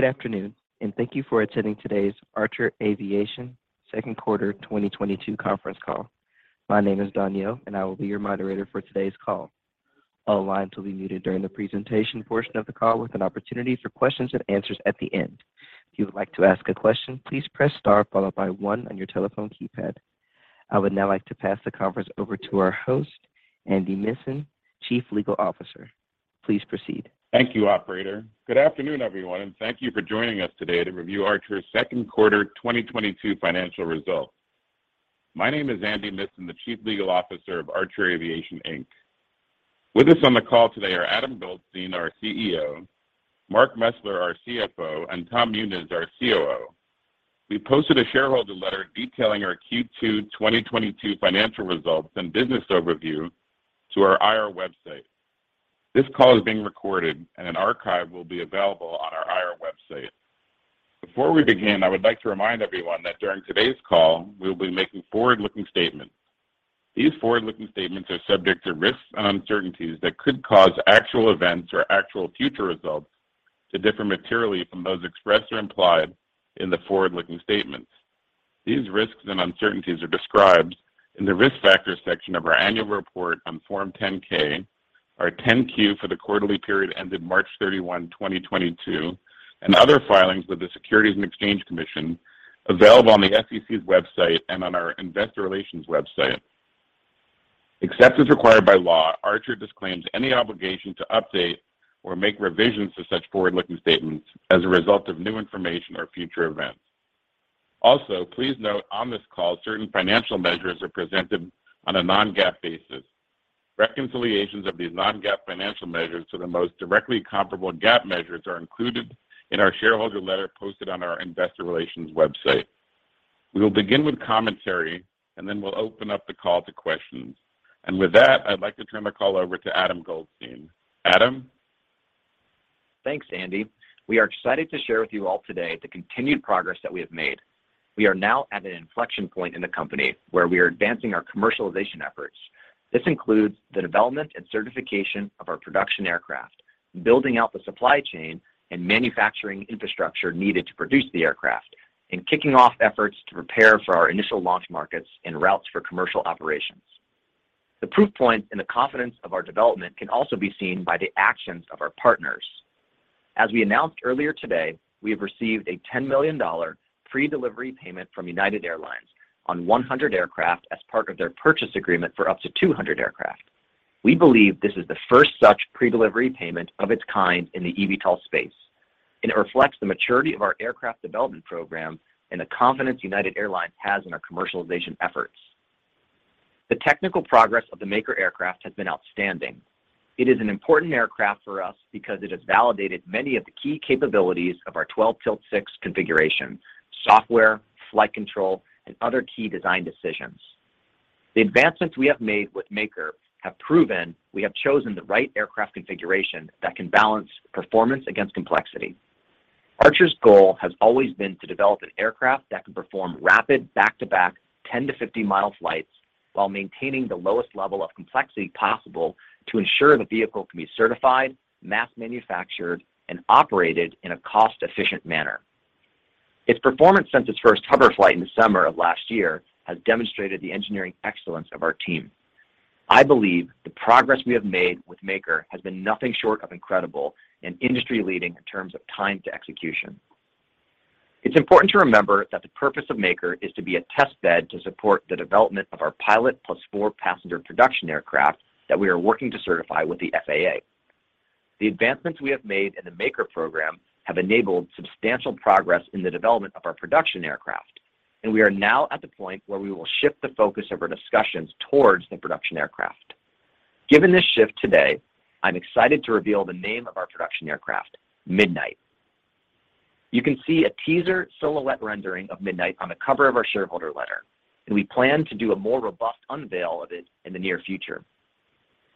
Good afternoon, and thank you for attending today's Archer Aviation Second Quarter 2022 conference call. My name is Daniel, and I will be your moderator for today's call. All lines will be muted during the presentation portion of the call with an opportunity for questions and answers at the end. If you would like to ask a question, please press star followed by one on your telephone keypad. I would now like to pass the conference over to our host, Andy Missan, Chief Legal Officer. Please proceed. Thank you, operator. Good afternoon, everyone, and thank you for joining us today to review Archer's second quarter 2022 financial results. My name is Andy Missan, the Chief Legal Officer of Archer Aviation, Inc. With us on the call today are Adam Goldstein, our CEO, Mark Mesler, our CFO, and Tom Muniz, our COO. We posted a shareholder letter detailing our Q2 2022 financial results and business overview to our IR website. This call is being recorded and an archive will be available on our IR website. Before we begin, I would like to remind everyone that during today's call, we will be making forward-looking statements. These forward-looking statements are subject to risks and uncertainties that could cause actual events or actual future results to differ materially from those expressed or implied in the forward-looking statements. These risks and uncertainties are described in the Risk Factors section of our annual report on Form 10-K, our 10-Q for the quarterly period ended March 31, 2022, and other filings with the Securities and Exchange Commission available on the SEC's website and on our investor relations website. Except as required by law, Archer disclaims any obligation to update or make revisions to such forward-looking statements as a result of new information or future events. Also, please note on this call, certain financial measures are presented on a non-GAAP basis. Reconciliations of these non-GAAP financial measures to the most directly comparable GAAP measures are included in our shareholder letter posted on our investor relations website. We will begin with commentary, and then we'll open up the call to questions. With that, I'd like to turn the call over to Adam Goldstein. Adam? Thanks, Andy. We are excited to share with you all today the continued progress that we have made. We are now at an inflection point in the company where we are advancing our commercialization efforts. This includes the development and certification of our production aircraft, building out the supply chain and manufacturing infrastructure needed to produce the aircraft, and kicking off efforts to prepare for our initial launch markets and routes for commercial operations. The proof point in the confidence of our development can also be seen by the actions of our partners. As we announced earlier today, we have received a $10 million pre-delivery payment from United Airlines on 100 aircraft as part of their purchase agreement for up to 200 aircraft. We believe this is the first such pre-delivery payment of its kind in the eVTOL space, and it reflects the maturity of our aircraft development program and the confidence United Airlines has in our commercialization efforts. The technical progress of the Maker aircraft has been outstanding. It is an important aircraft for us because it has validated many of the key capabilities of our twelve-tilt-six configuration, software, flight control, and other key design decisions. The advancements we have made with Maker have proven we have chosen the right aircraft configuration that can balance performance against complexity. Archer's goal has always been to develop an aircraft that can perform rapid back-to-back 10 mi-50 mi flights while maintaining the lowest level of complexity possible to ensure the vehicle can be certified, mass manufactured, and operated in a cost-efficient manner. Its performance since its first hover flight in the summer of last year has demonstrated the engineering excellence of our team. I believe the progress we have made with Maker has been nothing short of incredible and industry-leading in terms of time to execution. It's important to remember that the purpose of Maker is to be a test bed to support the development of our pilot plus four-passenger production aircraft that we are working to certify with the FAA. The advancements we have made in the Maker program have enabled substantial progress in the development of our production aircraft, and we are now at the point where we will shift the focus of our discussions towards the production aircraft. Given this shift today, I'm excited to reveal the name of our production aircraft, Midnight. You can see a teaser silhouette rendering of Midnight on the cover of our shareholder letter, and we plan to do a more robust unveil of it in the near future.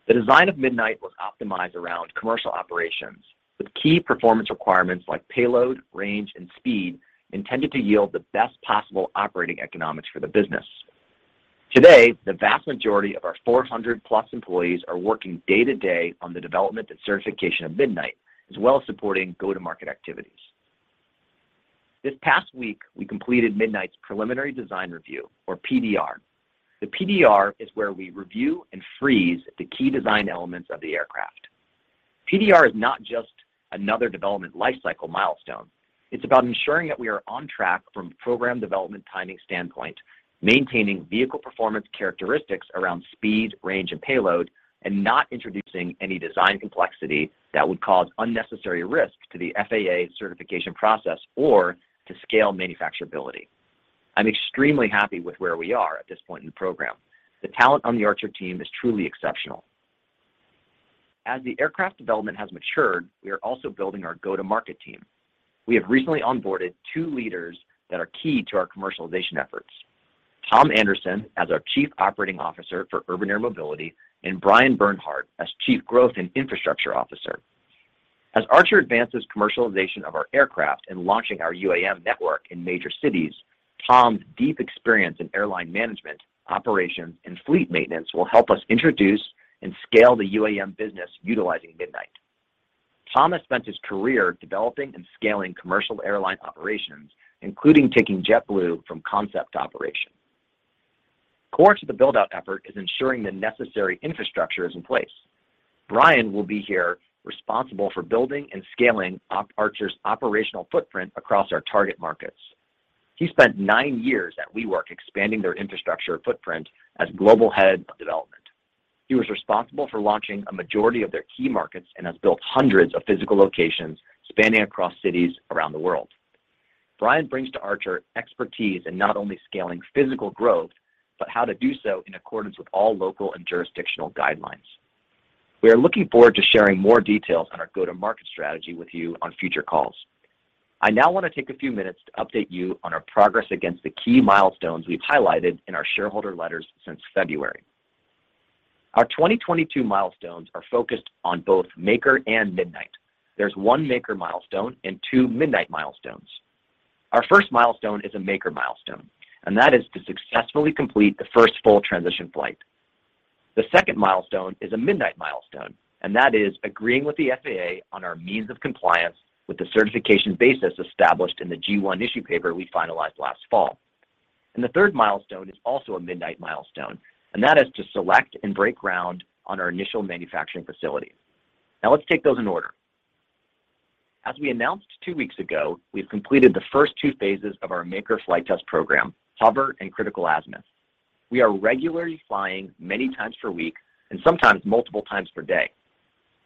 The design of Midnight was optimized around commercial operations with key performance requirements like payload, range, and speed intended to yield the best possible operating economics for the business. Today, the vast majority of our 400+ employees are working day-to-day on the development and certification of Midnight, as well as supporting go-to-market activities. This past week, we completed Midnight's preliminary design review, or PDR. The PDR is where we review and freeze the key design elements of the aircraft. PDR is not just another development lifecycle milestone. It's about ensuring that we are on track from a program development timing standpoint, maintaining vehicle performance characteristics around speed, range, and payload, and not introducing any design complexity that would cause unnecessary risk to the FAA certification process or to scale manufacturability. I'm extremely happy with where we are at this point in the program. The talent on the Archer team is truly exceptional. As the aircraft development has matured, we are also building our go-to-market team. We have recently onboarded two leaders that are key to our commercialization efforts, Tom Anderson as our Chief Operating Officer for Urban Air Mobility, and Bryan Bernhard as Chief Growth & Infrastructure Officer. As Archer advances commercialization of our aircraft and launching our UAM network in major cities. Tom's deep experience in airline management, operations, and fleet maintenance will help us introduce and scale the UAM business utilizing Midnight. Tom has spent his career developing and scaling commercial airline operations, including taking JetBlue from concept to operation. Core to the build-out effort is ensuring the necessary infrastructure is in place. Brian will be responsible for building and scaling Archer's operational footprint across our target markets. He spent nine years at WeWork expanding their infrastructure footprint as Global Head of Development. He was responsible for launching a majority of their key markets and has built hundreds of physical locations spanning across cities around the world. Brian brings to Archer expertise in not only scaling physical growth, but how to do so in accordance with all local and jurisdictional guidelines. We are looking forward to sharing more details on our go-to-market strategy with you on future calls. I now want to take a few minutes to update you on our progress against the key milestones we've highlighted in our shareholder letters since February. Our 2022 milestones are focused on both Maker and Midnight. There's one Maker milestone and two Midnight milestones. Our first milestone is a Maker milestone, and that is to successfully complete the first full transition flight. The second milestone is a Midnight milestone, and that is agreeing with the FAA on our means of compliance with the certification basis established in the G1 issue paper we finalized last fall. The third milestone is also a Midnight milestone, and that is to select and break ground on our initial manufacturing facility. Now let's take those in order. As we announced two weeks ago, we've completed the first two phases of our Maker flight test program, hover and critical azimuth. We are regularly flying many times per week and sometimes multiple times per day.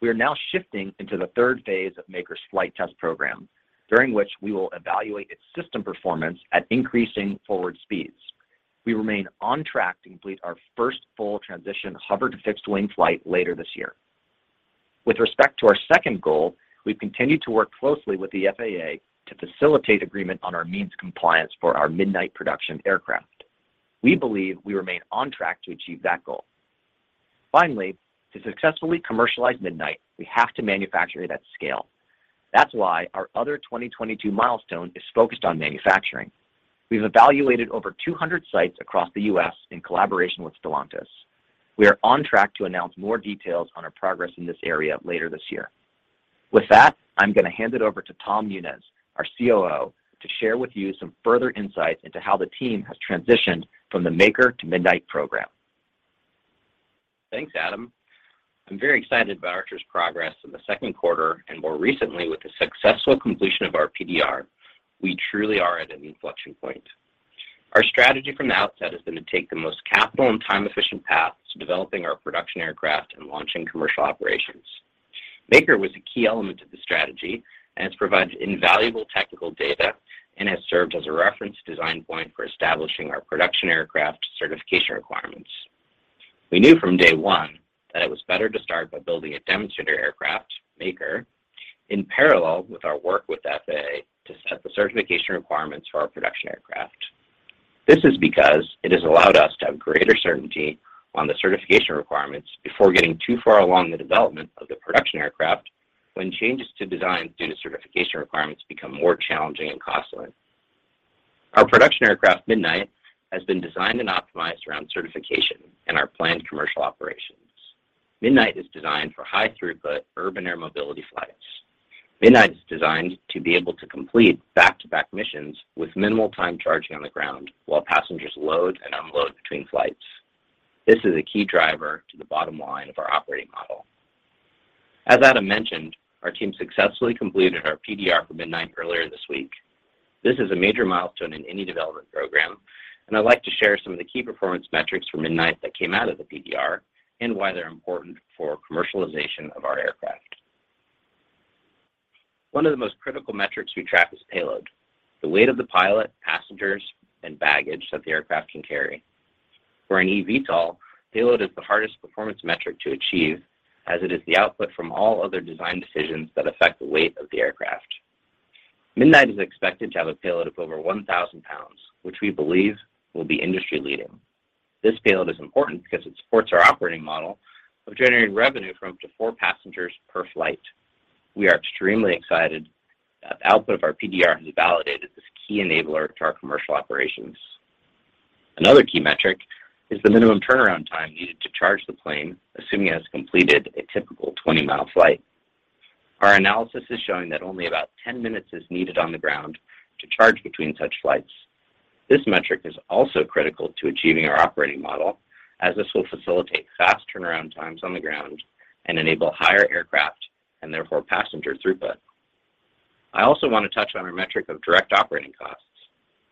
We are now shifting into the third phase of Maker's flight test program, during which we will evaluate its system performance at increasing forward speeds. We remain on track to complete our first full transition hover-to-fixed-wing flight later this year. With respect to our second goal, we've continued to work closely with the FAA to facilitate agreement on our means compliance for our Midnight production aircraft. We believe we remain on track to achieve that goal. Finally, to successfully commercialize Midnight, we have to manufacture it at scale. That's why our other 2022 milestone is focused on manufacturing. We've evaluated over 200 sites across the U.S. in collaboration with Stellantis. We are on track to announce more details on our progress in this area later this year. With that, I'm going to hand it over to Tom Muniz, our COO, to share with you some further insights into how the team has transitioned from the Maker to Midnight program. Thanks, Adam. I'm very excited about Archer's progress in the second quarter and more recently with the successful completion of our PDR. We truly are at an inflection point. Our strategy from the outset has been to take the most capital and time-efficient path to developing our production aircraft and launching commercial operations. Maker was a key element to the strategy, and it's provided invaluable technical data and has served as a reference design point for establishing our production aircraft certification requirements. We knew from day one that it was better to start by building a demonstrator aircraft, Maker, in parallel with our work with FAA to set the certification requirements for our production aircraft. This is because it has allowed us to have greater certainty on the certification requirements before getting too far along the development of the production aircraft when changes to design due to certification requirements become more challenging and costly. Our production aircraft, Midnight, has been designed and optimized around certification and our planned commercial operations. Midnight is designed for high-throughput Urban Air Mobility flights. Midnight is designed to be able to complete back-to-back missions with minimal time charging on the ground while passengers load and unload between flights. This is a key driver to the bottom line of our operating model. As Adam mentioned, our team successfully completed our PDR for Midnight earlier this week. This is a major milestone in any development program, and I'd like to share some of the key performance metrics for Midnight that came out of the PDR and why they're important for commercialization of our aircraft. One of the most critical metrics we track is payload, the weight of the pilot, passengers, and baggage that the aircraft can carry. For an eVTOL, payload is the hardest performance metric to achieve as it is the output from all other design decisions that affect the weight of the aircraft. Midnight is expected to have a payload of over 1,000 lb, which we believe will be industry-leading. This payload is important because it supports our operating model of generating revenue from up to four passengers per flight. We are extremely excited that the output of our PDR has validated this key enabler to our commercial operations. Another key metric is the minimum turnaround time needed to charge the plane, assuming it has completed a typical 20-mi flight. Our analysis is showing that only about 10 minutes is needed on the ground to charge between such flights. This metric is also critical to achieving our operating model, as this will facilitate fast turnaround times on the ground and enable higher aircraft, and therefore passenger throughput. I also want to touch on our metric of direct operating costs.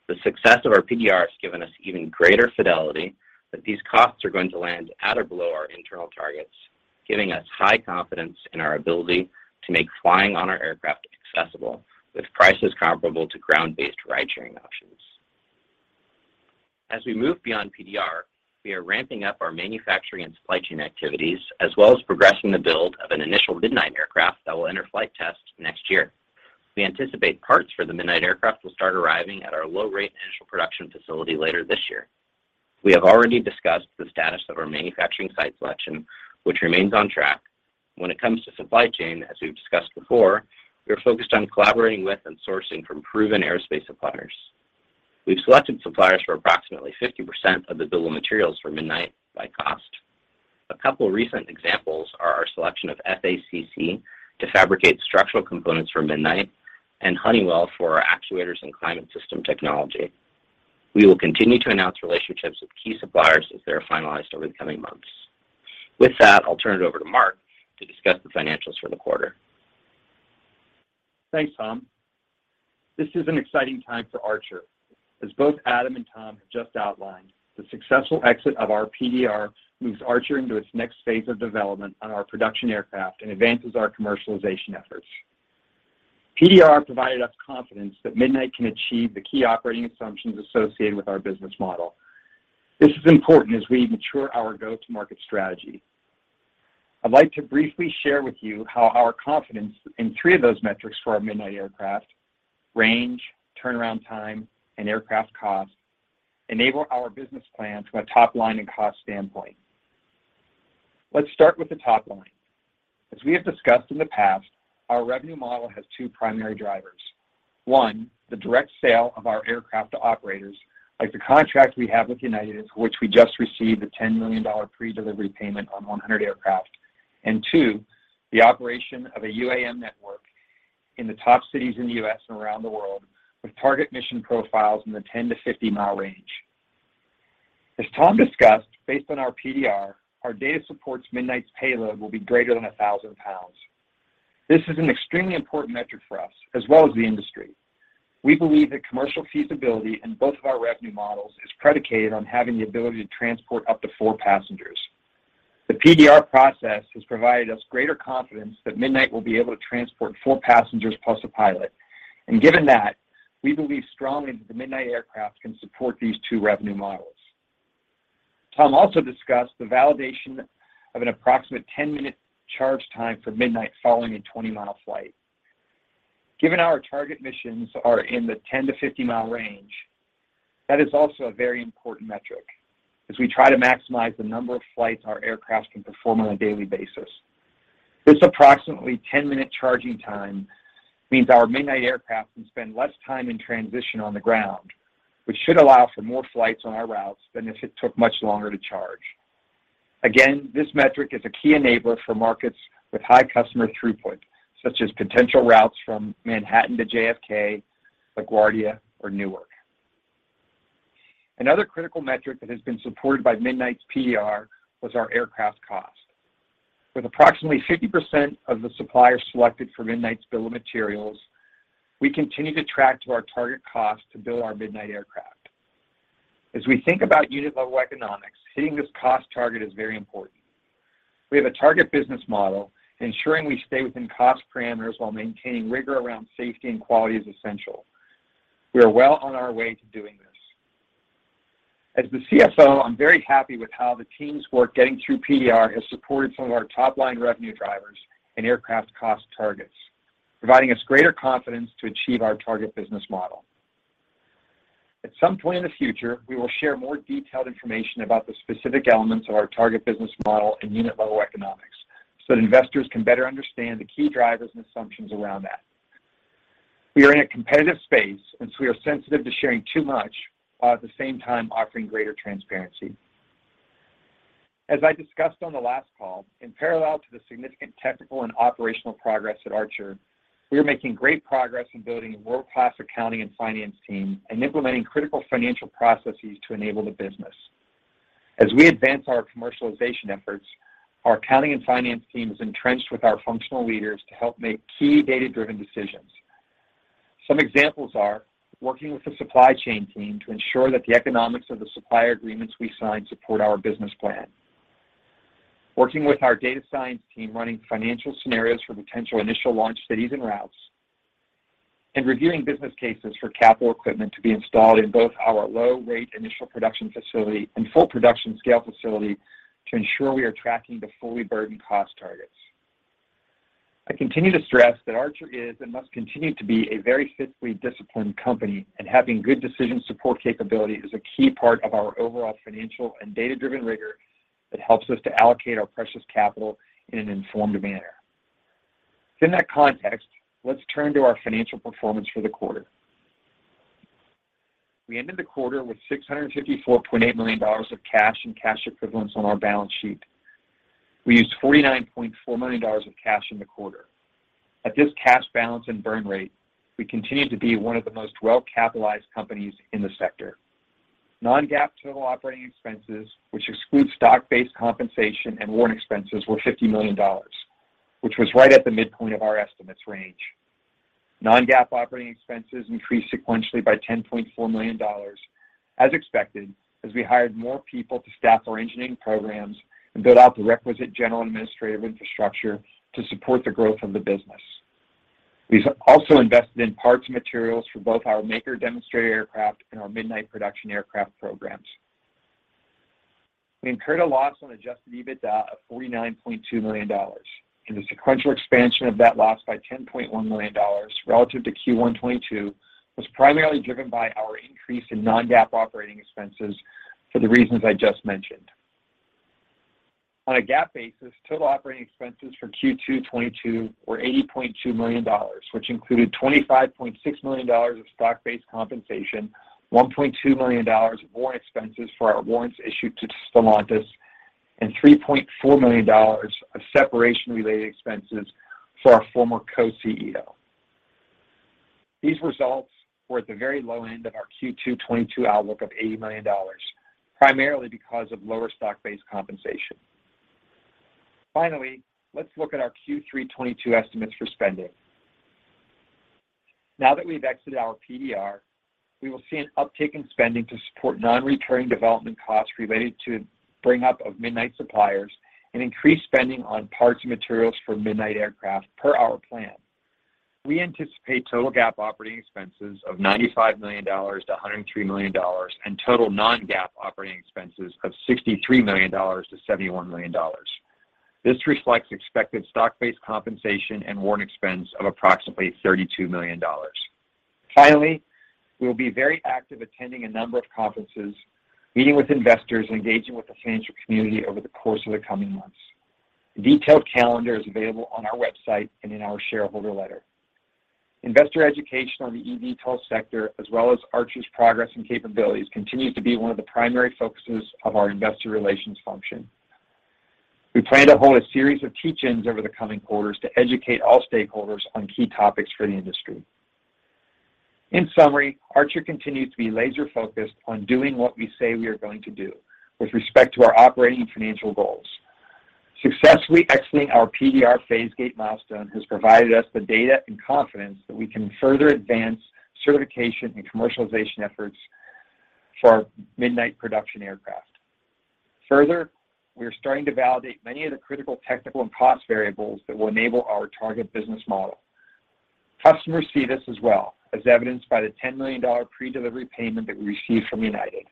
The success of our PDR has given us even greater fidelity that these costs are going to land at or below our internal targets, giving us high confidence in our ability to make flying on our aircraft accessible with prices comparable to ground-based ride-sharing options. As we move beyond PDR, we are ramping up our manufacturing and supply chain activities as well as progressing the build of an initial Midnight aircraft that will enter flight test next year. We anticipate parts for the Midnight aircraft will start arriving at our low-rate initial production facility later this year. We have already discussed the status of our manufacturing site selection, which remains on track. When it comes to supply chain, as we've discussed before, we are focused on collaborating with and sourcing from proven aerospace suppliers. We've selected suppliers for approximately 50% of the bill of materials for Midnight by cost. A couple recent examples are our selection of FACC to fabricate structural components for Midnight and Honeywell for our actuators and climate system technology. We will continue to announce relationships with key suppliers as they are finalized over the coming months. With that, I'll turn it over to Mark to discuss the financials for the quarter. Thanks, Tom. This is an exciting time for Archer. As both Adam and Tom have just outlined, the successful exit of our PDR moves Archer into its next phase of development on our production aircraft and advances our commercialization efforts. PDR provided us confidence that Midnight can achieve the key operating assumptions associated with our business model. This is important as we mature our go-to-market strategy. I'd like to briefly share with you how our confidence in three of those metrics for our Midnight aircraft, range, turnaround time, and aircraft cost, enable our business plan from a top-line and cost standpoint. Let's start with the top line. As we have discussed in the past, our revenue model has two primary drivers. One, the direct sale of our aircraft to operators, like the contract we have with United, which we just received a $10 million pre-delivery payment on 100 aircraft. Two, the operation of a UAM network in the top cities in the U.S. and around the world with target mission profiles in the 10 mi-50 mi range. As Tom discussed, based on our PDR, our data supports Midnight's payload will be greater than 1,000 lb. This is an extremely important metric for us as well as the industry. We believe that commercial feasibility in both of our revenue models is predicated on having the ability to transport up to four passengers. The PDR process has provided us greater confidence that Midnight will be able to transport four passengers plus a pilot. Given that, we believe strongly that the Midnight aircraft can support these two revenue models. Tom also discussed the validation of an approximate 10-minute charge time for Midnight following a 20 mi flight. Given our target missions are in the 10 mi-50 mi range, that is also a very important metric as we try to maximize the number of flights our aircraft can perform on a daily basis. This approximately 10-minute charging time means our Midnight aircraft can spend less time in transition on the ground, which should allow for more flights on our routes than if it took much longer to charge. Again, this metric is a key enabler for markets with high customer throughput, such as potential routes from Manhattan to JFK, LaGuardia, or Newark. Another critical metric that has been supported by Midnight's PDR was our aircraft cost. With approximately 50% of the suppliers selected for Midnight's bill of materials, we continue to track to our target cost to build our Midnight aircraft. As we think about unit-level economics, hitting this cost target is very important. We have a target business model. Ensuring we stay within cost parameters while maintaining rigor around safety and quality is essential. We are well on our way to doing this. As the CFO, I'm very happy with how the team's work getting through PDR has supported some of our top-line revenue drivers and aircraft cost targets, providing us greater confidence to achieve our target business model. At some point in the future, we will share more detailed information about the specific elements of our target business model and unit-level economics so that investors can better understand the key drivers and assumptions around that. We are in a competitive space, and so we are sensitive to sharing too much while at the same time offering greater transparency. As I discussed on the last call, in parallel to the significant technical and operational progress at Archer, we are making great progress in building a world-class accounting and finance team and implementing critical financial processes to enable the business. As we advance our commercialization efforts, our accounting and finance team is entrenched with our functional leaders to help make key data-driven decisions. Some examples are working with the supply chain team to ensure that the economics of the supplier agreements we sign support our business plan. Working with our data science team, running financial scenarios for potential initial launch cities and routes, and reviewing business cases for capital equipment to be installed in both our low-rate initial production facility and full production scale facility to ensure we are tracking the fully burdened cost targets. I continue to stress that Archer is and must continue to be a very fiscally disciplined company, and having good decision support capability is a key part of our overall financial and data-driven rigor that helps us to allocate our precious capital in an informed manner. Within that context, let's turn to our financial performance for the quarter. We ended the quarter with $654.8 million of cash and cash equivalents on our balance sheet. We used $49.4 million of cash in the quarter. At this cash balance and burn rate, we continue to be one of the most well-capitalized companies in the sector. non-GAAP total operating expenses, which excludes stock-based compensation and warrant expenses, were $50 million, which was right at the midpoint of our estimates range. Non-GAAP operating expenses increased sequentially by $10.4 million, as expected, as we hired more people to staff our engineering programs and build out the requisite general administrative infrastructure to support the growth of the business. We've also invested in parts and materials for both our Maker demonstrator aircraft and our Midnight production aircraft programs. We incurred a loss on adjusted EBITDA of $49.2 million, and the sequential expansion of that loss by $10.1 million relative to Q1 2022 was primarily driven by our increase in non-GAAP operating expenses for the reasons I just mentioned. On a GAAP basis, total operating expenses for Q2 2022 were $80.2 million, which included $25.6 million of stock-based compensation, $1.2 million of warrant expenses for our warrants issued to Stellantis, and $3.4 million of separation-related expenses for our former co-CEO. These results were at the very low end of our Q2 2022 outlook of $80 million, primarily because of lower stock-based compensation. Finally, let's look at our Q3 2022 estimates for spending. Now that we've exited our PDR, we will see an uptick in spending to support non-recurring development costs related to bring up of Midnight suppliers and increase spending on parts and materials for Midnight aircraft per our plan. We anticipate total GAAP operating expenses of $95 million-$103 million, and total non-GAAP operating expenses of $63 million-$71 million. This reflects expected stock-based compensation and warrant expense of approximately $32 million. Finally, we will be very active attending a number of conferences, meeting with investors, and engaging with the financial community over the course of the coming months. A detailed calendar is available on our website and in our shareholder letter. Investor education on the eVTOL sector, as well as Archer's progress and capabilities, continues to be one of the primary focuses of our investor relations function. We plan to hold a series of teach-ins over the coming quarters to educate all stakeholders on key topics for the industry. In summary, Archer continues to be laser-focused on doing what we say we are going to do with respect to our operating and financial goals. Successfully exiting our PDR phase gate milestone has provided us the data and confidence that we can further advance certification and commercialization efforts for our Midnight production aircraft. Further, we are starting to validate many of the critical technical and cost variables that will enable our target business model. Customers see this as well, as evidenced by the $10 million pre-delivery payment that we received from United.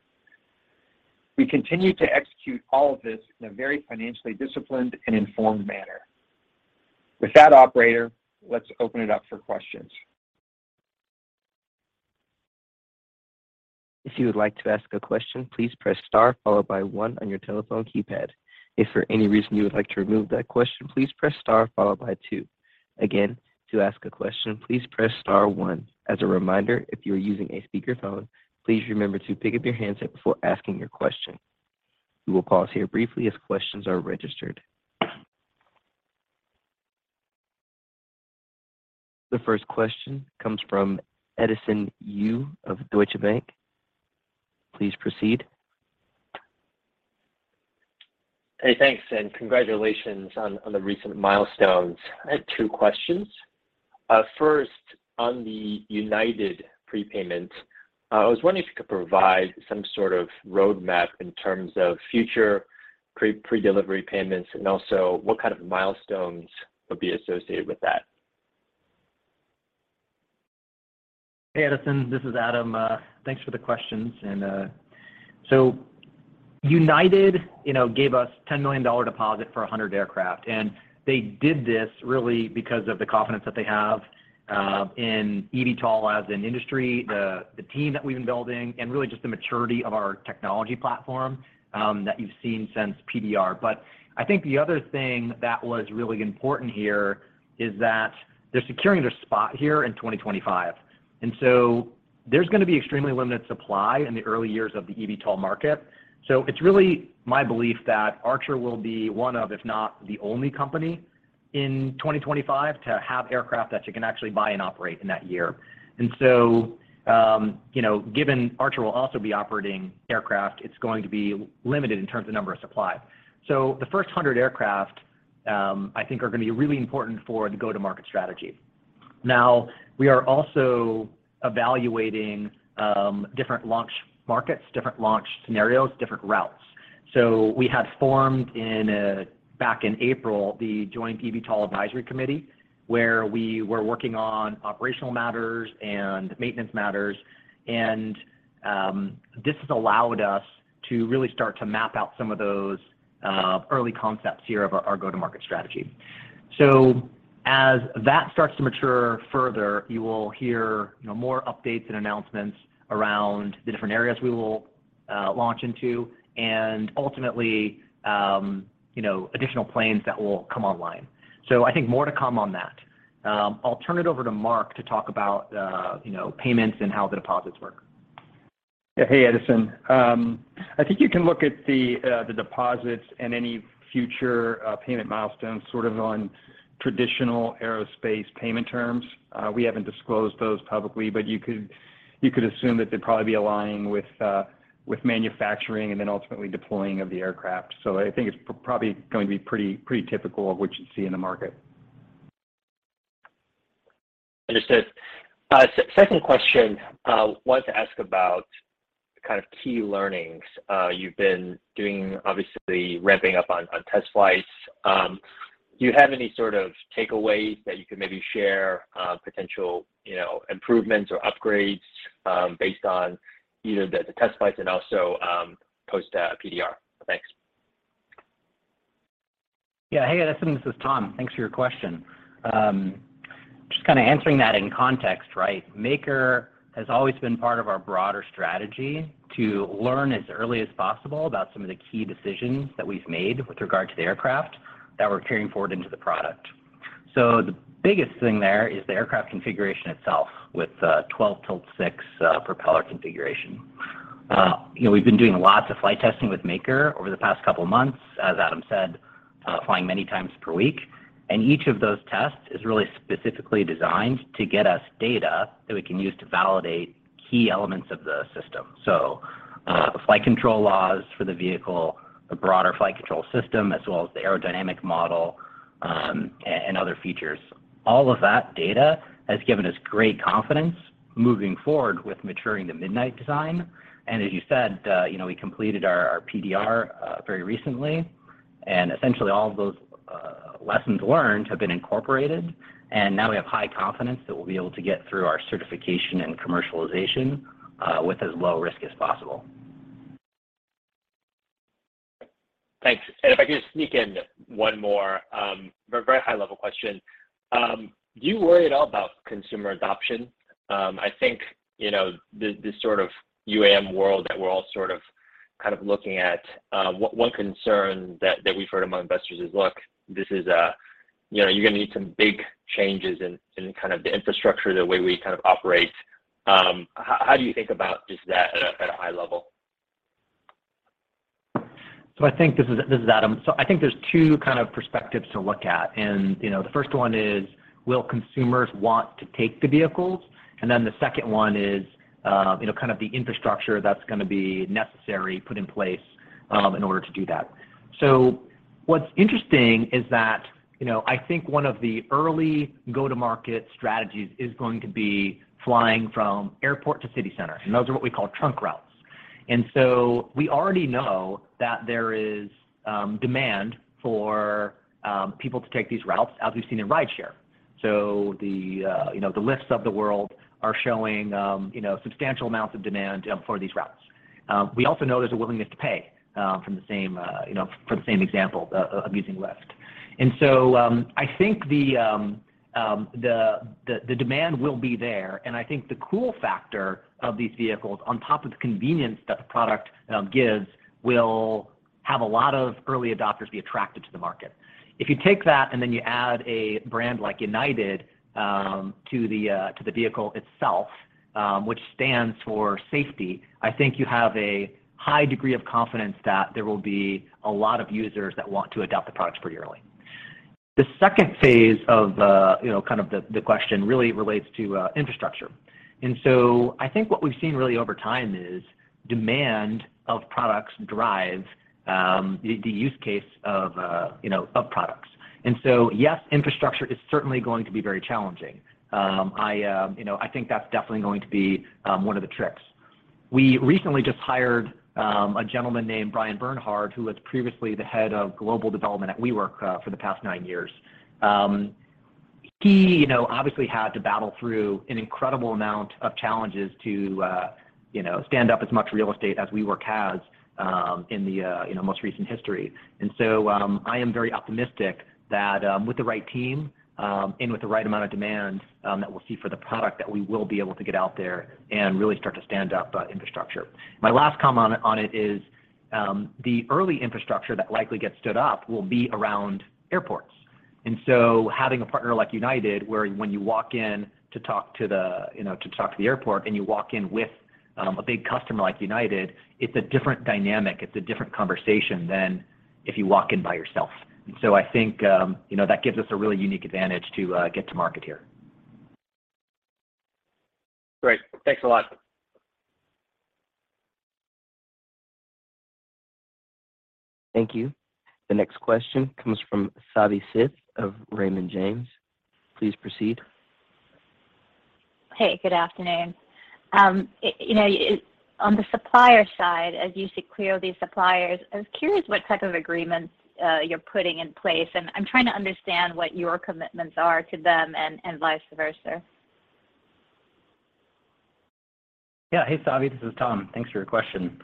We continue to execute all of this in a very financially disciplined and informed manner. With that, operator, let's open it up for questions. If you would like to ask a question, please press star followed by one on your telephone keypad. If for any reason you would like to remove that question, please press star followed by two. Again, to ask a question, please press star one. As a reminder, if you are using a speakerphone, please remember to pick up your handset before asking your question. We will pause here briefly as questions are registered. The first question comes from Edison Yu of Deutsche Bank. Please proceed. Hey, thanks and congratulations on the recent milestones. I had two questions. First, on the United prepayment, I was wondering if you could provide some sort of roadmap in terms of future predelivery payments and also what kind of milestones would be associated with that. Hey, Edison. This is Adam. Thanks for the questions. United, you know, gave us $10 million deposit for 100 aircraft, and they did this really because of the confidence that they have in eVTOL as an industry, the team that we've been building, and really just the maturity of our technology platform that you've seen since PDR. I think the other thing that was really important here is that they're securing their spot here in 2025. There's gonna be extremely limited supply in the early years of the eVTOL market. It's really my belief that Archer will be one of, if not the only company in 2025 to have aircraft that you can actually buy and operate in that year. You know, given Archer will also be operating aircraft, it's going to be limited in terms of number of supply. The first 100 aircraft, I think are gonna be really important for the go-to-market strategy. Now, we are also evaluating different launch markets, different launch scenarios, different routes. We had formed back in April the Joint eVTOL Advisory Committee, where we were working on operational matters and maintenance matters, and this has allowed us to really start to map out some of those early concepts here of our go-to-market strategy. As that starts to mature further, you will hear you know more updates and announcements around the different areas we will launch into and ultimately you know additional planes that will come online. I think more to come on that. I'll turn it over to Mark to talk about, you know, payments and how the deposits work. Yeah. Hey, Edison. I think you can look at the deposits and any future payment milestones sort of on traditional aerospace payment terms. We haven't disclosed those publicly, but you could assume that they'd probably be aligning with manufacturing and then ultimately deploying of the aircraft. I think it's probably going to be pretty typical of what you'd see in the market. Understood. Second question, wanted to ask about kind of key learnings. You've been doing obviously ramping up on test flights. Do you have any sort of takeaways that you could maybe share, potential, you know, improvements or upgrades, based on either the test flights and also post PDR? Thanks. Yeah. Hey, Edison, this is Tom. Thanks for your question. Just kind of answering that in context, right? Maker has always been part of our broader strategy to learn as early as possible about some of the key decisions that we've made with regard to the aircraft that we're carrying forward into the product. The biggest thing there is the aircraft configuration itself with twelve-tilt-six propeller configuration. You know, we've been doing lots of flight testing with Maker over the past couple of months, as Adam said, flying many times per week. Each of those tests is really specifically designed to get us data that we can use to validate key elements of the system. The flight control laws for the vehicle, the broader flight control system, as well as the aerodynamic model, and other features. All of that data has given us great confidence moving forward with maturing the Midnight design. As you said, you know, we completed our PDR very recently. Essentially all of those lessons learned have been incorporated, and now we have high confidence that we'll be able to get through our certification and commercialization with as low risk as possible. Thanks. If I could just sneak in one more very very high-level question. Do you worry at all about consumer adoption? I think, you know, this sort of UAM world that we're all sort of, kind of looking at, one concern that we've heard among investors is, look, this is a. You know, you're gonna need some big changes in kind of the infrastructure, the way we kind of operate. How do you think about just that at a high level? This is Adam. I think there's two kind of perspectives to look at. You know, the first one is, will consumers want to take the vehicles? Then the second one is, you know, kind of the infrastructure that's gonna be necessary put in place, in order to do that. What's interesting is that, you know, I think one of the early go-to-market strategies is going to be flying from airport to city center, and those are what we call trunk routes. We already know that there is demand for people to take these routes, as we've seen in Rideshare. You know, the Lyfts of the world are showing, you know, substantial amounts of demand, for these routes. We also know there's a willingness to pay, from the same, you know, from the same example of using Lyft. I think the demand will be there, and I think the cool factor of these vehicles on top of the convenience that the product gives will have a lot of early adopters be attracted to the market. If you take that and then you add a brand like United to the vehicle itself, which stands for safety, I think you have a high degree of confidence that there will be a lot of users that want to adopt the products pretty early. The second phase of, you know, kind of the question really relates to infrastructure. I think what we've seen really over time is demand for products drives the use case of, you know, of products. Yes, infrastructure is certainly going to be very challenging. I think that's definitely going to be one of the tricks. We recently just hired a gentleman named Bryan Bernhard, who was previously the head of global development at WeWork for the past nine years. He obviously had to battle through an incredible amount of challenges to stand up as much real estate as WeWork has in the most recent history. I am very optimistic that, with the right team, and with the right amount of demand, that we'll see for the product, that we will be able to get out there and really start to stand up infrastructure. My last comment on it is, the early infrastructure that likely gets stood up will be around airports. Having a partner like United, where when you walk in to talk to the airport and you walk in with a big customer like United, it's a different dynamic, it's a different conversation than if you walk in by yourself. I think, you know, that gives us a really unique advantage to get to market here. Great. Thanks a lot. Thank you. The next question comes from Savi Syth of Raymond James. Please proceed. Hey, good afternoon. You know, on the supplier side, as you secure these suppliers, I was curious what type of agreements you're putting in place, and I'm trying to understand what your commitments are to them and vice versa. Yeah. Hey, Savi, this is Tom. Thanks for your question.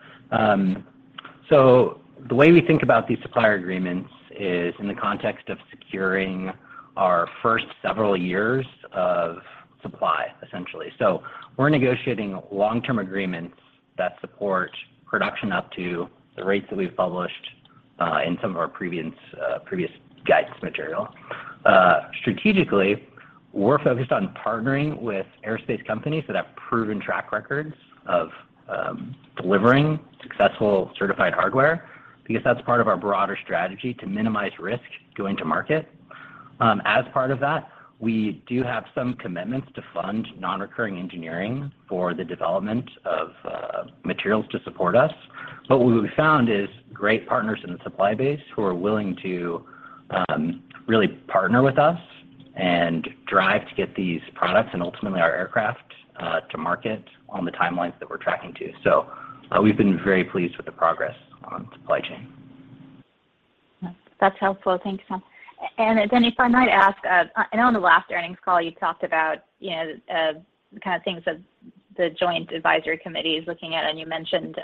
The way we think about these supplier agreements is in the context of securing our first several years of supply, essentially. We're negotiating long-term agreements that support production up to the rates that we've published in some of our previous guidance material. Strategically, we're focused on partnering with aerospace companies that have proven track records of delivering successful certified hardware because that's part of our broader strategy to minimize risk going to market. As part of that, we do have some commitments to fund non-recurring engineering for the development of materials to support us. What we found is great partners in the supply base who are willing to really partner with us and drive to get these products and ultimately our aircraft to market on the timelines that we're tracking to. We've been very pleased with the progress on supply chain. That's helpful. Thanks, Tom. If I might ask, I know on the last earnings call you talked about, you know, kind of things that the joint advisory committee is looking at, and you mentioned,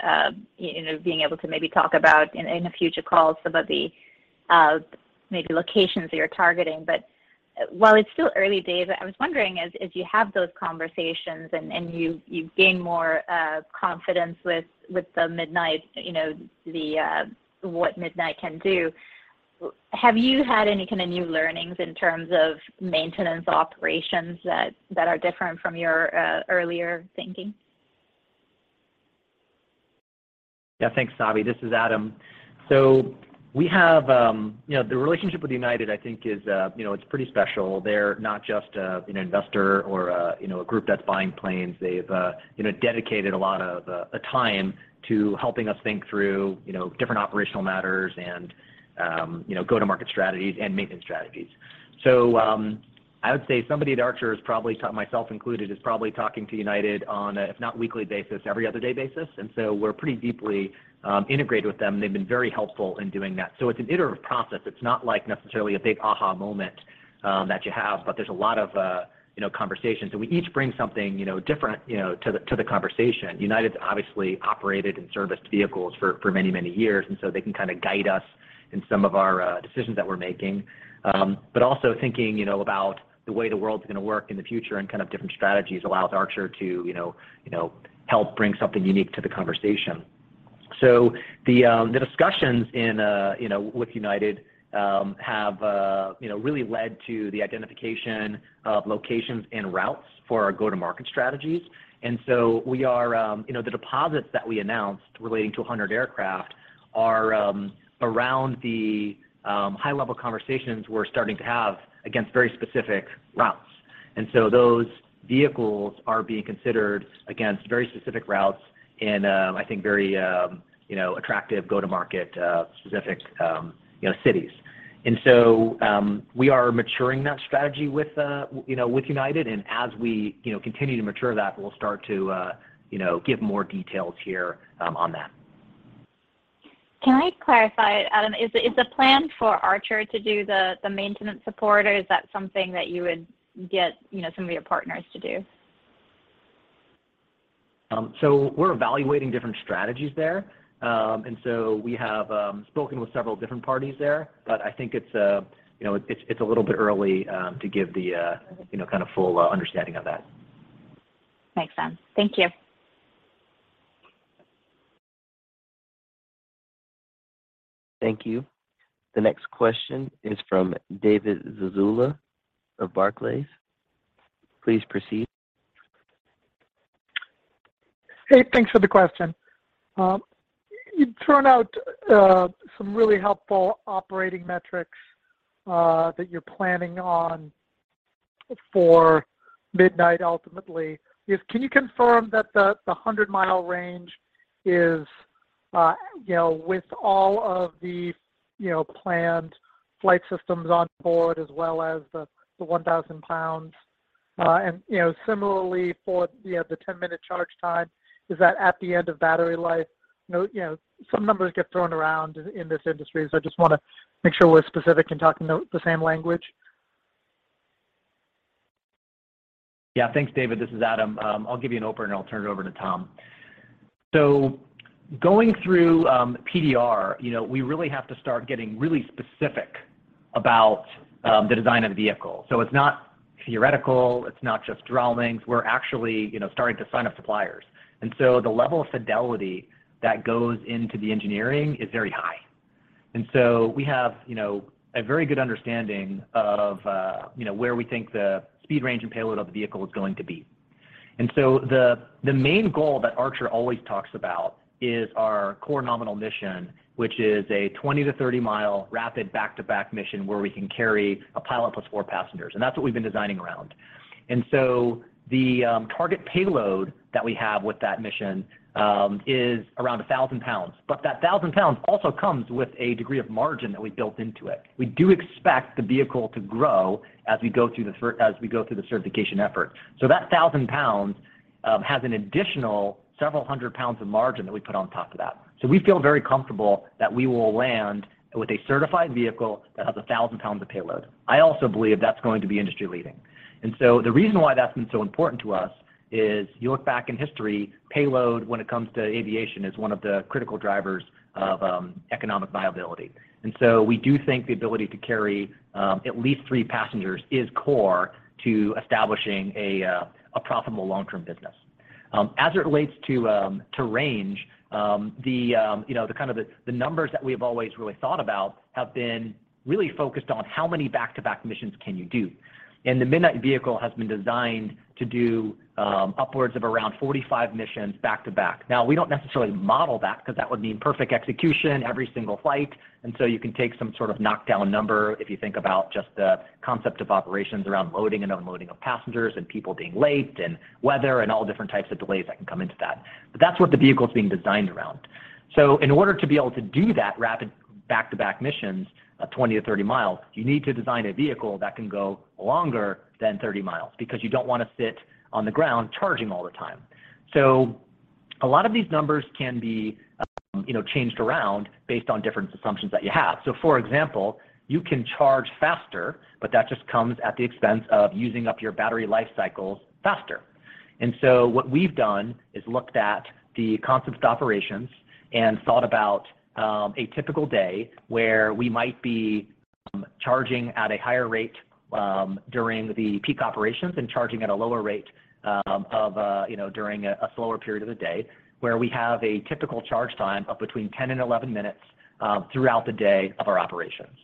you know, being able to maybe talk about in a future call some of the maybe locations that you're targeting. While it's still early days, I was wondering as you have those conversations and you gain more confidence with the Midnight, you know, what Midnight can do, have you had any kind of new learnings in terms of maintenance operations that are different from your earlier thinking? Yeah. Thanks, Savi. This is Adam. We have, you know, the relationship with United I think is, you know, it's pretty special. They're not just, an investor or, you know, a group that's buying planes. They've, you know, dedicated a lot of time to helping us think through, you know, different operational matters and, you know, go-to-market strategies and maintenance strategies. I would say somebody at Archer, myself included, is probably talking to United on a if not weekly basis, every other day basis. We're pretty deeply, integrated with them. They've been very helpful in doing that. It's an iterative process. It's not like necessarily a big aha moment, that you have, but there's a lot of, you know, conversations. We each bring something, you know, different, you know, to the conversation. United's obviously operated and serviced vehicles for many years, and so they can kind of guide us in some of our decisions that we're making. Also thinking, you know, about the way the world's gonna work in the future and kind of different strategies allows Archer to, you know, help bring something unique to the conversation. The discussions, you know, with United have you know, really led to the identification of locations and routes for our go-to-market strategies. We are, you know, the deposits that we announced relating to 100 aircraft are around the high-level conversations we're starting to have against very specific routes. Those vehicles are being considered against very specific routes in, I think very, you know, attractive go-to-market, specific, you know, cities. We are maturing that strategy with, you know, with United, and as we, you know, continue to mature that, we'll start to, you know, give more details here, on that. Can I clarify, Adam? Is the plan for Archer to do the maintenance support, or is that something that you would get, you know, some of your partners to do? We're evaluating different strategies there. We have spoken with several different parties there. I think it's, you know, it's a little bit early to give the, you know, kind of full understanding of that. Makes sense. Thank you. Thank you. The next question is from David Zazula of Barclays. Please proceed. Hey, thanks for the question. You've thrown out some really helpful operating metrics that you're planning on for Midnight ultimately. Can you confirm that the 100 mi range is, you know, with all of the, you know, planned flight systems on board as well as the 1,000 lb? And, you know, similarly for the 10-minute charge time, is that at the end of battery life? You know, some numbers get thrown around in this industry, so I just wanna make sure we're specific in talking the same language. Yeah. Thanks, David. This is Adam. I'll give you an opener, and I'll turn it over to Tom. Going through PDR, you know, we really have to start getting really specific about the design of the vehicle. It's not theoretical, it's not just drawings. We're actually, you know, starting to sign up suppliers. The level of fidelity that goes into the engineering is very high. We have, you know, a very good understanding of you know where we think the speed, range, and payload of the vehicle is going to be. The main goal that Archer always talks about is our core nominal mission, which is a 20 mi-30 mi rapid back-to-back mission where we can carry a pilot plus four passengers, and that's what we've been designing around. The target payload that we have with that mission is around 1,000 lb. That 1,000 lb also comes with a degree of margin that we built into it. We do expect the vehicle to grow as we go through the certification effort. That 1,000 lb has an additional several hundred pounds of margin that we put on top of that. We feel very comfortable that we will land with a certified vehicle that has 1,000 lb of payload. I also believe that's going to be industry-leading. The reason why that's been so important to us is you look back in history, payload, when it comes to aviation, is one of the critical drivers of economic viability. We do think the ability to carry at least three passengers is core to establishing a profitable long-term business. As it relates to range, you know, the kind of numbers that we have always really thought about have been really focused on how many back-to-back missions can you do. The Midnight vehicle has been designed to do upwards of around 45 missions back-to-back. Now, we don't necessarily model that 'cause that would mean perfect execution every single flight. You can take some sort of knockdown number if you think about just the concept of operations around loading and unloading of passengers and people being late and weather and all different types of delays that can come into that. But that's what the vehicle's being designed around. In order to be able to do that rapid back-to-back missions of 20 mi-30 mi, you need to design a vehicle that can go longer than 30 mi because you don't wanna sit on the ground charging all the time. A lot of these numbers can be, you know, changed around based on different assumptions that you have. For example, you can charge faster, but that just comes at the expense of using up your battery life cycles faster. What we've done is looked at the concept operations and thought about a typical day where we might be charging at a higher rate during the peak operations and charging at a lower rate of you know during a slower period of the day where we have a typical charge time of between 10 minutes and 11 minutes throughout the day of our operations.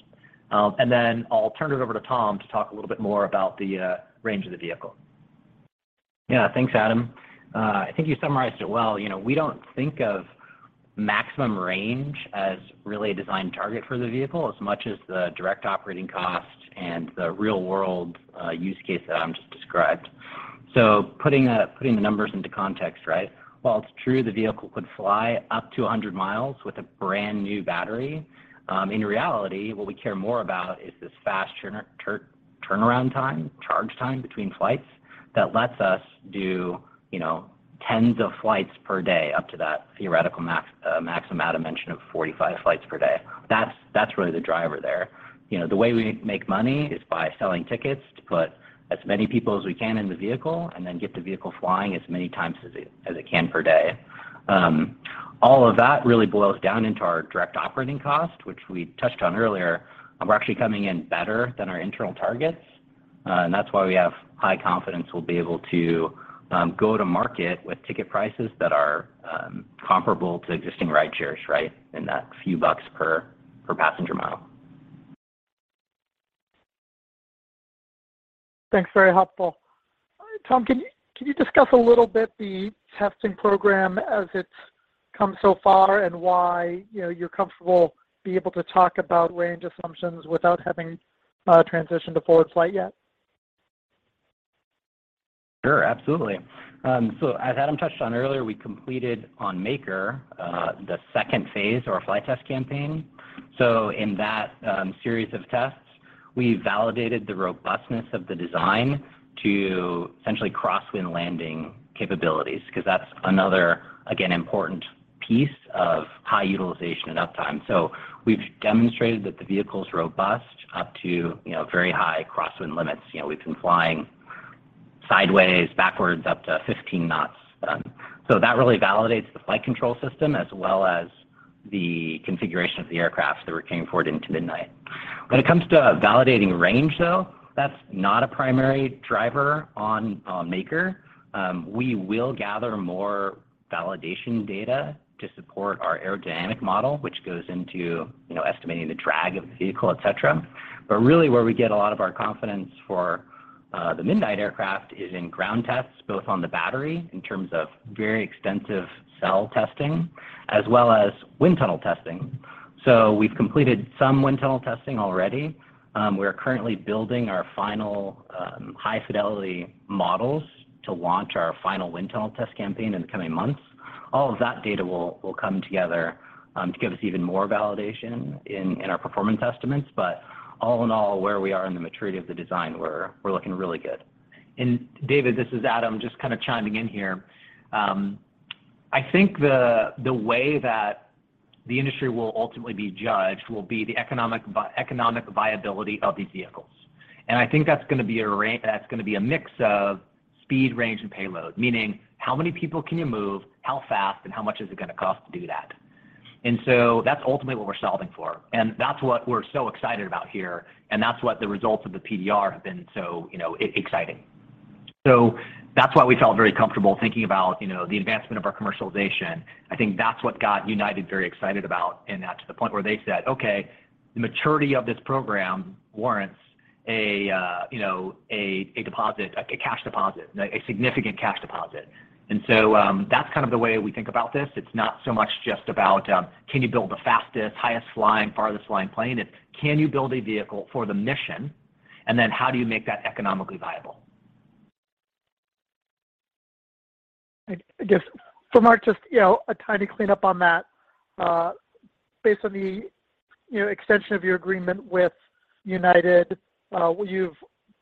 Then I'll turn it over to Tom to talk a little bit more about the range of the vehicle. Yeah. Thanks, Adam. I think you summarized it well. You know, we don't think of maximum range as really a design target for the vehicle as much as the direct operating cost and the real-world use case that Adam just described. Putting the numbers into context, right? While it's true the vehicle could fly up to 100 mi with a brand-new battery, in reality, what we care more about is this fast turnaround time, charge time between flights that lets us do, you know, tens of flights per day up to that theoretical maximum Adam mentioned of 45 flights per day. That's really the driver there. You know, the way we make money is by selling tickets to put as many people as we can in the vehicle and then get the vehicle flying as many times as it can per day. All of that really boils down into our direct operating cost, which we touched on earlier. We're actually coming in better than our internal targets. That's why we have high confidence we'll be able to go to market with ticket prices that are comparable to existing rideshares, right, in that few bucks per passenger mile. Thanks. Very helpful. All right, Tom, can you discuss a little bit the testing program as it's come so far and why, you know, you're comfortable be able to talk about range assumptions without having transitioned to forward flight yet? Sure. Absolutely. As Adam touched on earlier, we completed on Maker the second phase of our flight test campaign. In that series of tests, we validated the robustness of the design to essentially crosswind landing capabilities because that's another again important piece of high utilization and uptime. We've demonstrated that the vehicle's robust up to you know very high crosswind limits. You know, we've been flying sideways, backwards, up to 15 kn. That really validates the flight control system as well as the configuration of the aircraft that we're carrying forward into Midnight. When it comes to validating range, though, that's not a primary driver on Maker. We will gather more validation data to support our aerodynamic model, which goes into you know estimating the drag of the vehicle, et cetera. Really, where we get a lot of our confidence for the Midnight aircraft is in ground tests, both on the battery in terms of very extensive cell testing as well as wind tunnel testing. We've completed some wind tunnel testing already. We are currently building our final high-fidelity models to launch our final wind tunnel test campaign in the coming months. All of that data will come together to give us even more validation in our performance estimates. All in all, where we are in the maturity of the design, we're looking really good. David, this is Adam just kind of chiming in here. I think the way that the industry will ultimately be judged will be the economic viability of these vehicles. I think that's gonna be a mix of speed, range, and payload, meaning how many people can you move, how fast, and how much is it gonna cost to do that? That's ultimately what we're solving for, and that's what we're so excited about here, and that's what the results of the PDR have been so, you know, exciting. That's why we felt very comfortable thinking about, you know, the advancement of our commercialization. I think that's what got United very excited about and that to the point where they said, "Okay. The maturity of this program warrants a you know, a significant cash deposit." That's kind of the way we think about this. It's not so much just about, can you build the fastest, highest flying, farthest flying plane? It's can you build a vehicle for the mission, and then how do you make that economically viable? I guess for Mark, just, you know, a tiny cleanup on that. Based on the, you know, extension of your agreement with United, you've,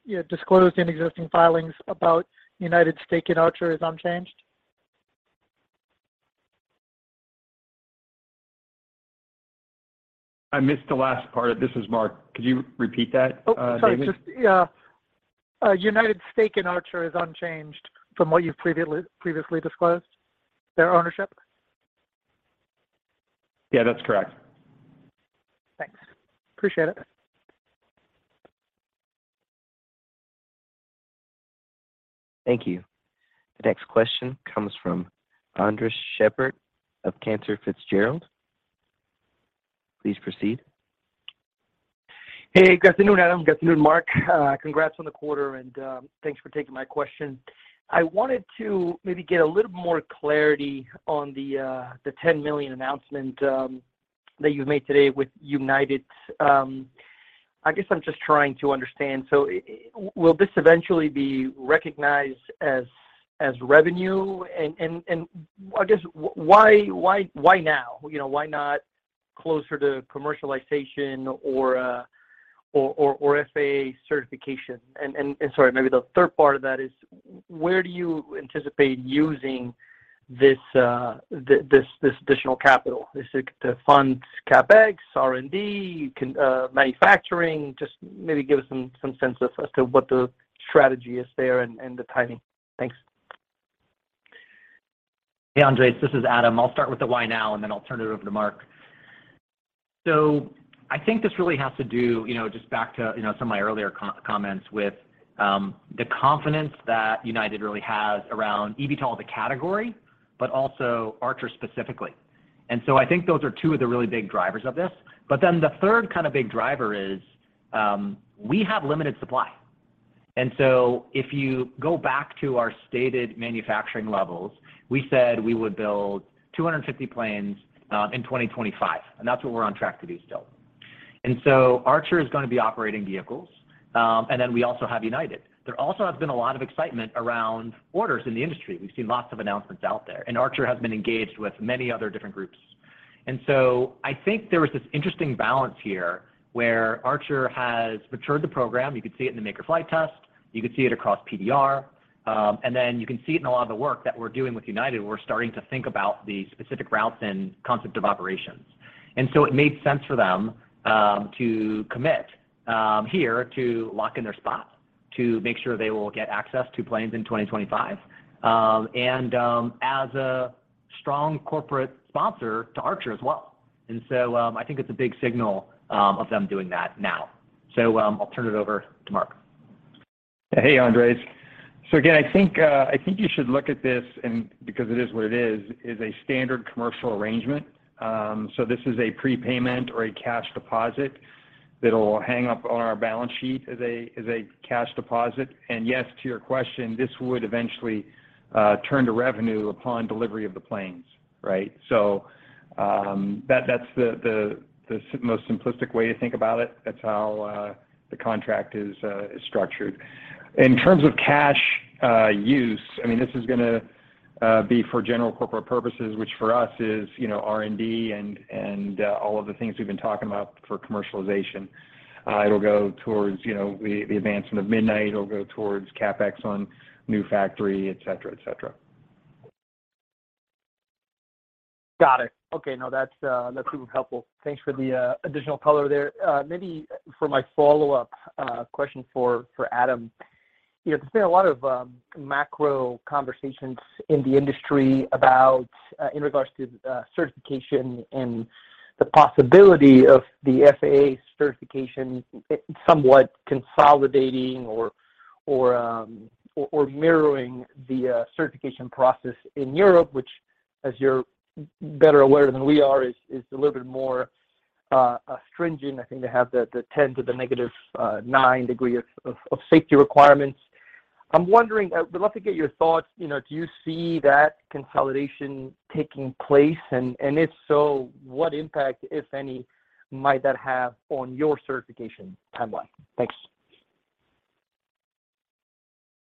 you know, disclosed in existing filings about United's stake in Archer is unchanged? I missed the last part. This is Mark. Could you repeat that, David? Oh, sorry. Just, yeah. United's stake in Archer is unchanged from what you've previously disclosed, their ownership? Yeah, that's correct. Thanks. Appreciate it. Thank you. The next question comes from Andres Sheppard of Cantor Fitzgerald. Please proceed. Hey. Good afternoon, Adam. Good afternoon, Mark. Congrats on the quarter and thanks for taking my question. I wanted to maybe get a little more clarity on the $10 million announcement that you've made today with United. I guess I'm just trying to understand. Will this eventually be recognized as revenue? I guess why now? You know, why not? Closer to commercialization or FAA certification. Sorry, maybe the third part of that is where do you anticipate using this additional capital? Is it to fund CapEx, R&D, manufacturing? Just maybe give us some sense as to what the strategy is there and the timing. Thanks. Hey Andres, this is Adam. I'll start with the why now, and then I'll turn it over to Mark. I think this really has to do, you know, just back to, you know, some of my earlier comments with the confidence that United really has around eVTOL as a category, but also Archer specifically. I think those are two of the really big drivers of this. The third kind of big driver is we have limited supply. If you go back to our stated manufacturing levels, we said we would build 250 planes in 2025, and that's what we're on track to do still. Archer is gonna be operating vehicles, and then we also have United. There also has been a lot of excitement around orders in the industry. We've seen lots of announcements out there, and Archer has been engaged with many other different groups. I think there was this interesting balance here where Archer has matured the program. You could see it in the Maker flight test, you could see it across PDR, and then you can see it in a lot of the work that we're doing with United, we're starting to think about the specific routes and concept of operations. It made sense for them to commit here to lock in their spot to make sure they will get access to planes in 2025, and as a strong corporate sponsor to Archer as well. I think it's a big signal of them doing that now. I'll turn it over to Mark. Hey, Andres. Again, I think you should look at this and because it is what it is is a standard commercial arrangement. This is a prepayment or a cash deposit that'll show up on our balance sheet as a cash deposit. Yes, to your question, this would eventually turn to revenue upon delivery of the planes, right? That's the simplest way to think about it. That's how the contract is structured. In terms of cash use, I mean, this is gonna be for general corporate purposes, which for us is, you know, R&D and all of the things we've been talking about for commercialization. It'll go towards, you know, the advancement of Midnight. It'll go towards CapEx on new factory, et cetera. Got it. Okay. No, that's super helpful. Thanks for the additional color there. Maybe for my follow-up question for Adam. You know, there's been a lot of macro conversations in the industry about in regards to certification and the possibility of the FAA certification somewhat consolidating or mirroring the certification process in Europe, which as you're better aware than we are, is a little bit more stringent. I think they have the 10 to the negative nine degree of safety requirements. I'm wondering, I would love to get your thoughts. You know, do you see that consolidation taking place? If so, what impact, if any, might that have on your certification timeline? Thanks.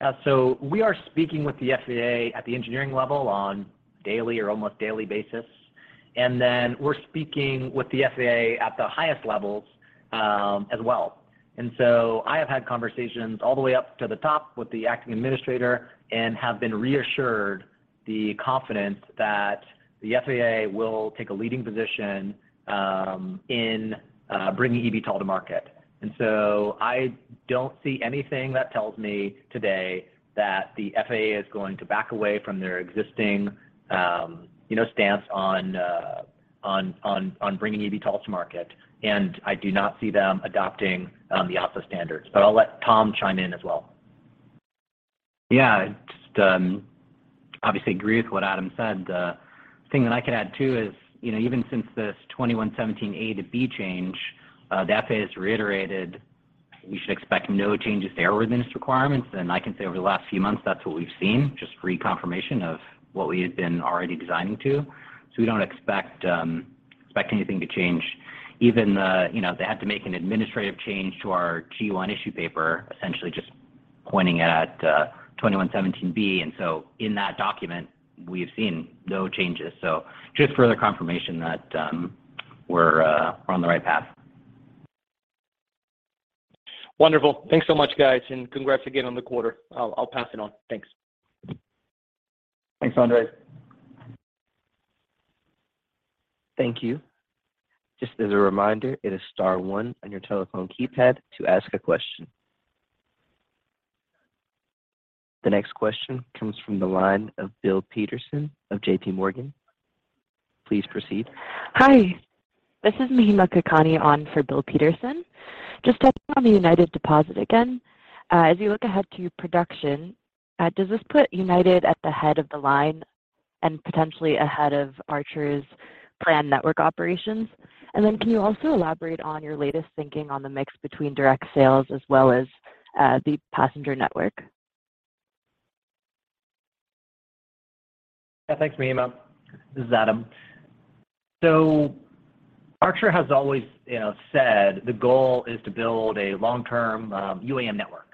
Yeah. We are speaking with the FAA at the engineering level on daily or almost daily basis. We're speaking with the FAA at the highest levels, as well. I have had conversations all the way up to the top with the acting administrator and have been reassured the confidence that the FAA will take a leading position, in bringing eVTOL to market. I don't see anything that tells me today that the FAA is going to back away from their existing, you know, stance on bringing eVTOL to market, and I do not see them adopting the EASA standards, but I'll let Tom chime in as well. Yeah, just, obviously agree with what Adam said. The thing that I could add too is, you know, even since this 21.17(a) to 21.17(b) change, the FAA has reiterated we should expect no changes to airworthiness requirements. I can say over the last few months, that's what we've seen, just reconfirmation of what we had been already designing to. We don't expect anything to change. Even the, you know, they had to make an administrative change to our Q1 issue paper, essentially just pointing at, 21.17(b). In that document we've seen no changes. Just further confirmation that, we're on the right path. Wonderful. Thanks so much guys, and congrats again on the quarter. I'll pass it on. Thanks. Thanks, Andres. Thank you. Just as a reminder, it is star one on your telephone keypad to ask a question. The next question comes from the line of Bill Peterson of J.P. Morgan. Please proceed. Hi, this is Mahima Kakani on for Bill Peterson. Just touching on the United deposit again. As you look ahead to production, does this put United at the head of the line and potentially ahead of Archer's planned network operations? Can you also elaborate on your latest thinking on the mix between direct sales as well as, the passenger network? Yeah, thanks, Mahima. This is Adam. Archer has always, you know, said the goal is to build a long-term UAM network.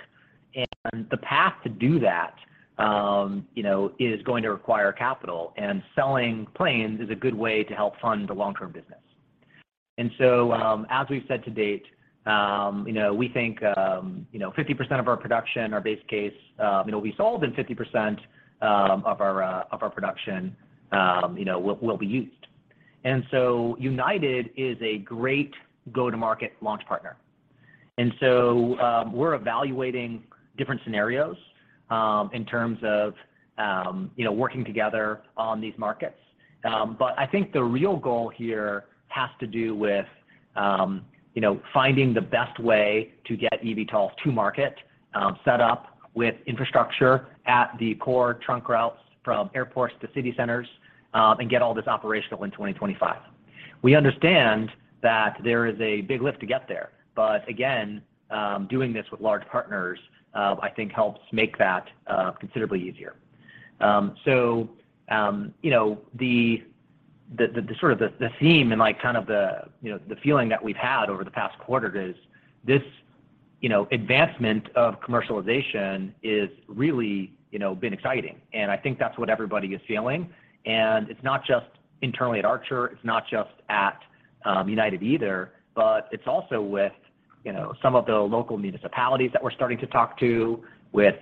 The path to do that, you know, is going to require capital, and selling planes is a good way to help fund the long-term business. As we've said to date, you know, we think, you know, 50% of our production, our base case, you know, will be sold and 50% of our production will be used. United is a great go-to-market launch partner. We're evaluating different scenarios in terms of, you know, working together on these markets. I think the real goal here has to do with you know, finding the best way to get eVTOL to market, set up with infrastructure at the core trunk routes from airports to city centers, and get all this operational in 2025. We understand that there is a big lift to get there. Again, doing this with large partners, I think helps make that considerably easier. You know, the sort of theme and like kind of the you know the feeling that we've had over the past quarter is this you know advancement of commercialization is really you know been exciting. I think that's what everybody is feeling. It's not just internally at Archer, it's not just at United either, but it's also with, you know, some of the local municipalities that we're starting to talk to with,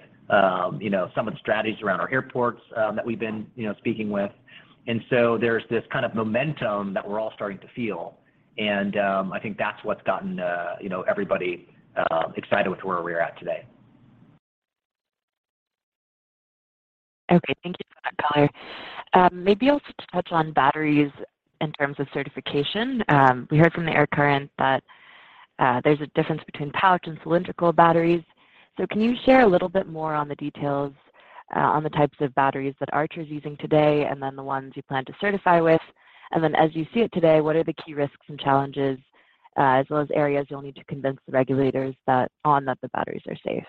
you know, some of the strategies around our airports, that we've been, you know, speaking with. There's this kind of momentum that we're all starting to feel, and I think that's what's gotten, you know, everybody excited with where we're at today. Okay. Thank you for that color. Maybe also to touch on batteries in terms of certification. We heard from The Air Current that there's a difference between pouch and cylindrical batteries. Can you share a little bit more on the details on the types of batteries that Archer is using today and then the ones you plan to certify with? As you see it today, what are the key risks and challenges as well as areas you'll need to convince the regulators that the batteries are safe?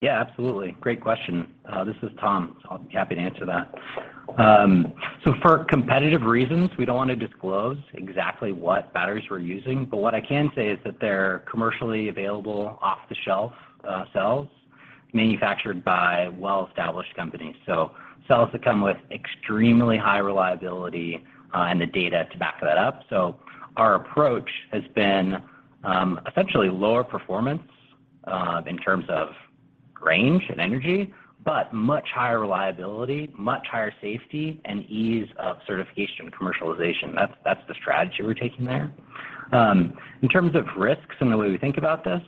Yeah, absolutely. Great question. This is Tom. I'll be happy to answer that. For competitive reasons, we don't want to disclose exactly what batteries we're using, but what I can say is that they're commercially available off-the-shelf cells manufactured by well-established companies. Cells that come with extremely high reliability and the data to back that up. Our approach has been essentially lower performance in terms of range and energy, but much higher reliability, much higher safety and ease of certification and commercialization. That's the strategy we're taking there. In terms of risks and the way we think about this,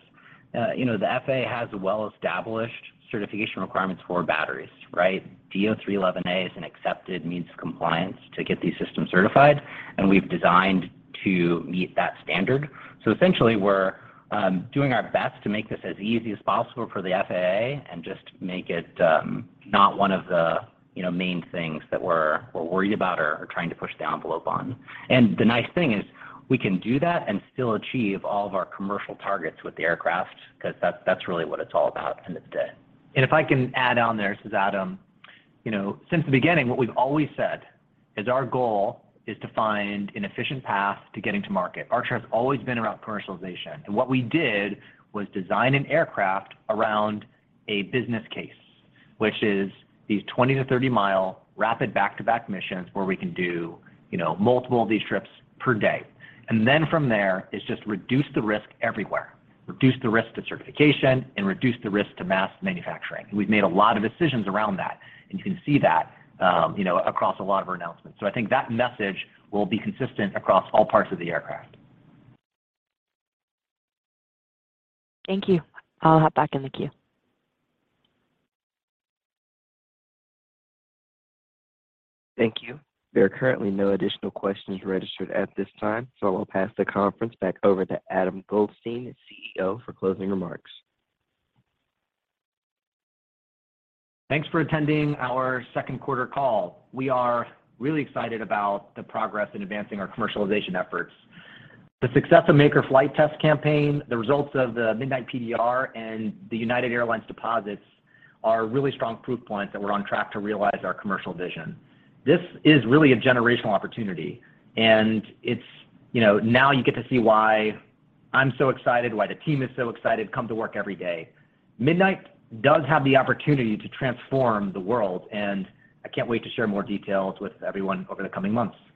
you know, the FAA has well-established certification requirements for batteries, right? DO-311A is an accepted means of compliance to get these systems certified, and we've designed to meet that standard. Essentially we're doing our best to make this as easy as possible for the FAA and just make it not one of the, you know, main things that we're worried about or trying to push the envelope on. The nice thing is we can do that and still achieve all of our commercial targets with the aircraft because that's really what it's all about at the end of the day. If I can add on there. This is Adam. You know, since the beginning, what we've always said is our goal is to find an efficient path to getting to market. Archer has always been about commercialization, and what we did was design an aircraft around a business case, which is these 20 mi - 30 mi rapid back-to-back missions where we can do, you know, multiple of these trips per day. From there, it's just reduce the risk everywhere, reduce the risk to certification and reduce the risk to mass manufacturing. We've made a lot of decisions around that, and you can see that, you know, across a lot of our announcements. I think that message will be consistent across all parts of the aircraft. Thank you. I'll hop back in the queue. Thank you. There are currently no additional questions registered at this time, so I will pass the conference back over to Adam Goldstein, CEO, for closing remarks. Thanks for attending our second quarter call. We are really excited about the progress in advancing our commercialization efforts. The success of Maker Flight test campaign, the results of the Midnight PDR and the United Airlines deposits are really strong proof points that we're on track to realize our commercial vision. This is really a generational opportunity, and it's, you know, now you get to see why I'm so excited, why the team is so excited to come to work every day. Midnight does have the opportunity to transform the world, and I can't wait to share more details with everyone over the coming months. Thank you.